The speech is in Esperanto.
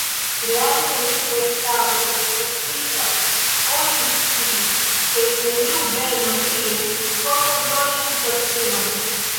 Reale neniu festado ekzistas: oni sciis, ke neniu venos tien por kontroli la situacion.